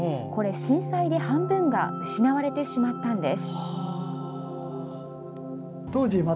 震災で半分が失われてしまったのです。